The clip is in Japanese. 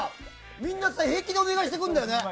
みんな平気でお願いしてくるんだよね。